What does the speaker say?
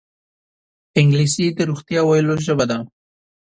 انګلیسي د رښتیا ویلو ژبه ده